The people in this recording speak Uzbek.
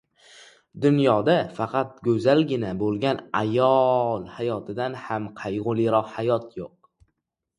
Dunyoda faqat go‘zalgina bo‘lgan ayol hayotidan ham qayg‘uliroq hayot yo‘q.